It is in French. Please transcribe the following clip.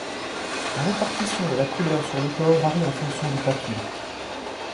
La répartition de la couleur sur le corps varie en fonction du patron.